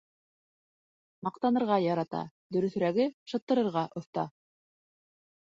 Маҡтанырға ярата, дөрөҫөрәге, «шыттырырға» оҫта.